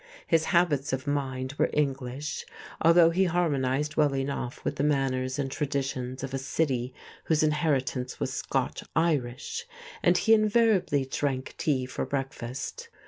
His habits of mind were English, although he harmonized well enough with the manners and traditions of a city whose inheritance was Scotch Irish; and he invariably drank tea for breakfast.